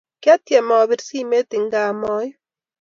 Kyatyem abir simet inga maaip